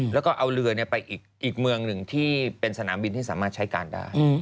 แล้วก็เอาเรือไปอีกเมืองหนึ่งที่เป็นสนามบินที่สามารถใช้การได้